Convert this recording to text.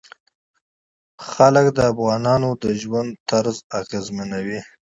وګړي د افغانانو د ژوند طرز اغېزمنوي.